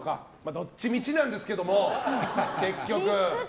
どっちみちなんですが、結局。